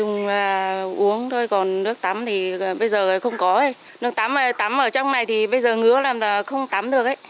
nước tắm ở trong này thì bây giờ ngứa làm là không tắm được